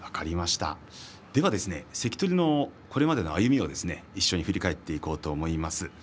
関取のこれまでの歩みを一緒に振り返っていこうと思います。